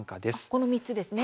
この３つですね。